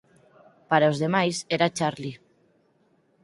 Para os demais era Charlie.